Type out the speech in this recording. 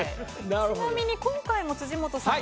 ちなみに今回も辻元さん。